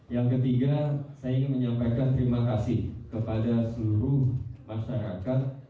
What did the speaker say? yang ketiga saya ingin menyampaikan terima kasih kepada seluruh masyarakat